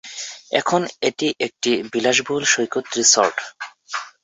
এখন এটি একটি বিলাসবহুল সৈকত রিসর্ট।